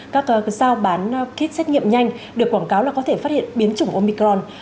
các giao bán kit xét nghiệm nhanh được quảng cáo là có thể phát hiện biến chủng omicron